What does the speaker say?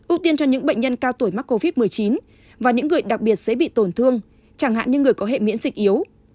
ưu tiên cho những bệnh nhân cao tuổi mắc covid một mươi chín và những người đặc biệt dễ bị tổn thương chẳng hạn như người có hệ miễn dịch yếu